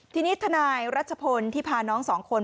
ทีนี้ทนายรัชพลที่พาน้องสองคน